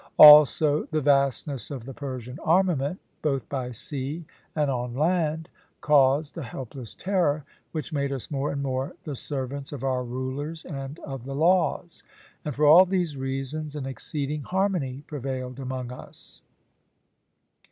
Also the vastness of the Persian armament, both by sea and on land, caused a helpless terror, which made us more and more the servants of our rulers and of the laws; and for all these reasons an exceeding harmony prevailed among us.